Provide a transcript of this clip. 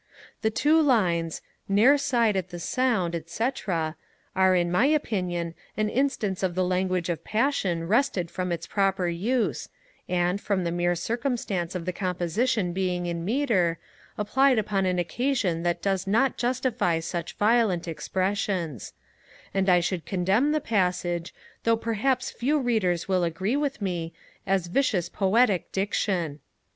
The two lines 'Ne'er sighed at the sound,' &c., are, in my opinion, an instance of the language of passion wrested from its proper use, and, from the mere circumstance of the composition being in metre, applied upon an occasion that does not justify such violent expressions; and I should condemn the passage, though perhaps few Readers will agree with me, as vicious poetic diction.